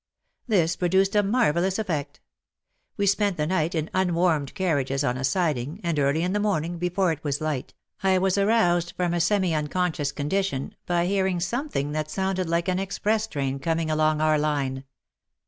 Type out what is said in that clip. This produced a marvellous effect. We spent the night in unwarmed carriages on a siding, and early in the morning, before it was light, I was aroused from a semi unconscious condition by hearing something that sounded like an express train coming along our line.